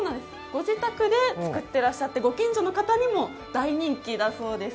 ご自宅で作ってらっしゃってご近所の方にも大人気だそうです。